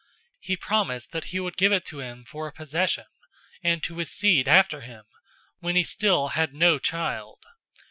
He promised that he would give it to him for a possession, and to his seed after him, when he still had no child.